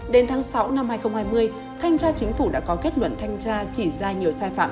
đến tháng sáu năm hai nghìn hai mươi thanh tra chính phủ đã có kết luận thanh tra chỉ ra nhiều sai phạm